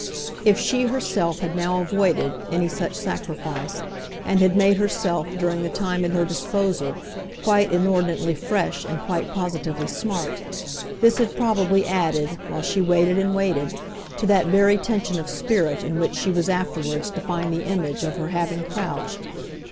If she herself had now avoided any such sacrifice, and had made herself, during the time at her disposal, quite inordinately fresh and quite positively smart, this had probably added, while she waited and waited, to that very tension of spirit in which she was afterwards to find the image of her having crouched.